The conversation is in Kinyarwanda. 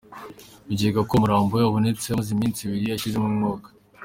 Bikekwa ko umurambo we wabonetse amaze iminsi ibiri ashizemo umwuka.